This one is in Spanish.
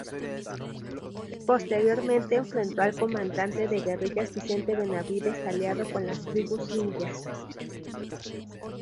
Posteriormente enfrentó al comandante de guerrillas Vicente Benavides aliado con las tribus indias.